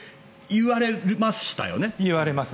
言われましたね。